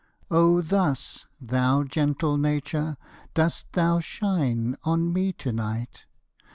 Oh thus, thou gentle Nature, dost thou shine On me to night.